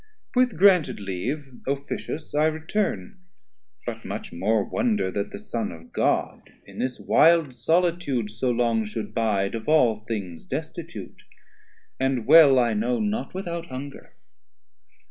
With granted leave officious I return, But much more wonder that the Son of God In this wild solitude so long should bide Of all things destitute, and well I know, Not without hunger.